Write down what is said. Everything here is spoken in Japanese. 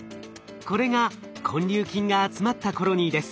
これが根粒菌が集まったコロニーです。